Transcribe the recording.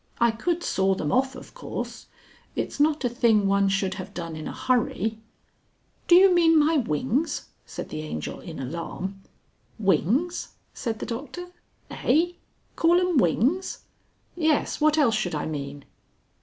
I could saw them off, of course. It's not a thing one should have done in a hurry " "Do you mean my wings?" said the Angel in alarm. "Wings!" said the Doctor. "Eigh? Call 'em wings! Yes what else should I mean?"